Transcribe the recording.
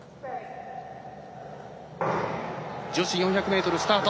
女子４００メートルスタート。